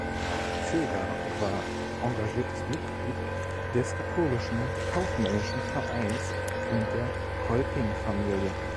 Fehler war engagiertes Mitglied des Katholischen Kaufmännischen Vereins und der Kolpingfamilie.